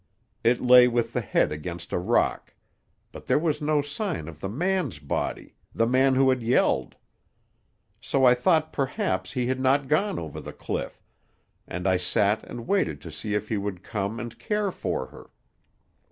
It lay with the head against a rock. But there was no sign of the man's body, the man who had yelled. So I thought perhaps he had not gone over the cliff, and I sat and waited to see if he would come and care for her.